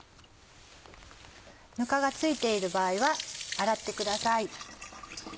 ぬかが付いている場合は洗ってください。